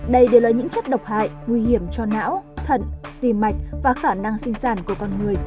đây đều là những chất độc hại nguy hiểm cho não thận tìm mạch và khả năng sinh sản của con người